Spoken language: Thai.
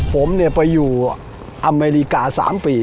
ผมเนี่ยไปอยู่อเมริกาสามปี